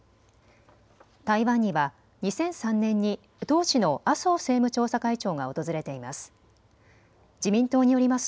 台湾には２００３年に当時の麻生政務調査会長が訪れています。